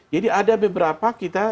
jadi ada beberapa kita